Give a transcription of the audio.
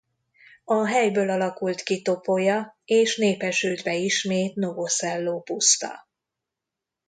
A helyből alakult ki Topolya és népesült be ismét Novoszello-puszta.